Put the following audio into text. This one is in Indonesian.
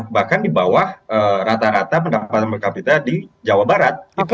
bahkan di bawah rata rata pendapatan per kapita di jawa barat